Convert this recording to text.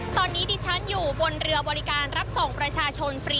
ตอนนี้ดิฉันอยู่บนเรือบริการรับส่งประชาชนฟรี